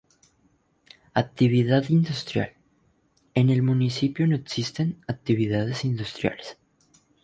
Actividad industrial: En el municipio no existen actividades industriales.